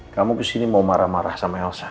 kamu kesini mau marah marah sama elsa